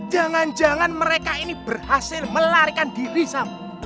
jangan jangan mereka ini berhasil melarikan diri sama